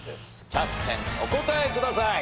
キャプテンお答えください。